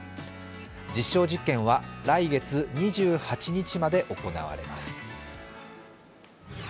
実証実験は、来月２８日まで行われます。